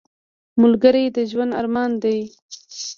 ملګری د ژوند ارمان دی